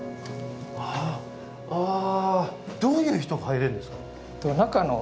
あああどういう人が入れるんですか？